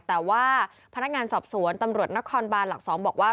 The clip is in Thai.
แต่ว่าพนักงานสอบสวนตำรวจนครบานหลัก๒บอกว่า